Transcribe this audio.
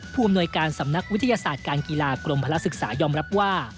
อำนวยการสำนักวิทยาศาสตร์การกีฬากรมพลักษึกษายอมรับว่า